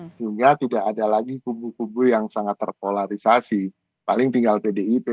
sehingga tidak ada lagi kubu kubu yang sangat terpolarisasi paling tinggal pdip